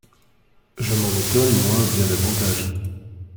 Je m'en étonne, moi, bien davantage.